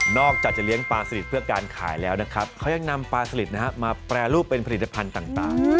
อกจากจะเลี้ยงปลาสลิดเพื่อการขายแล้วนะครับเขายังนำปลาสลิดมาแปรรูปเป็นผลิตภัณฑ์ต่าง